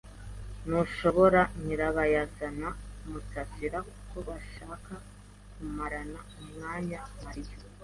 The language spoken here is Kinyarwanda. Ntushobora nyirabayazana Musasira kuko bashaka kumarana umwanya Mariya.